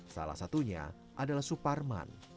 salah satunya adalah suparman